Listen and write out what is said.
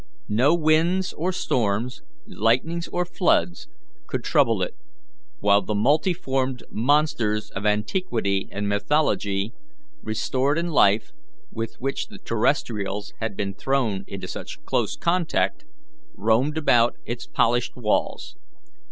No winds or storms, lightnings or floods, could trouble it, while the multiformed monsters of antiquity and mythology restored in life, with which the terrestrials had been thrown into such close contact, roamed about its polished walls.